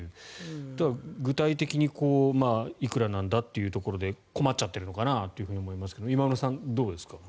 だから、具体的にいくらなんだというところで困っちゃっているのかなと思いますが今村さん、いかがですか。